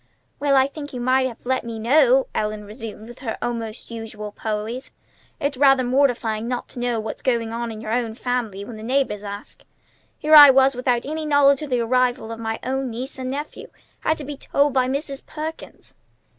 "Well, I think you might have let me know," Ellen resumed with almost her usual poise. "It's rather mortifying not to know what's going on in your own family when the neighbors ask. Here was I without any knowledge of the arrival of my own niece and nephew! Had to be told by Mrs. Perkins."